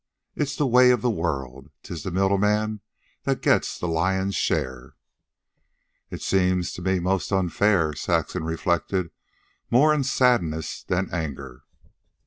It's the way of the world. 'Tis the middlemen that get the lion's share." "It seems to me most unfair," Saxon reflected, more in sadness than anger.